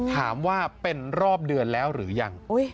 ถามว่าเป็นรอบเดือนแล้วหรือยัง